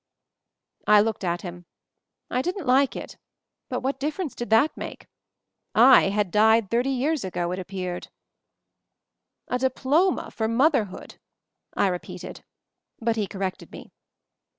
I looked at him. I didn't like it — but what difference did that make? I had died thirty years ago, it appeared. "A diploma for motherhood!" I repeated; but he corrected me.